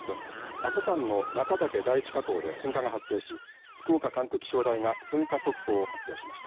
阿蘇山の中岳第一火口で噴火が発生し福岡管区気象台が噴火速報を発表しました。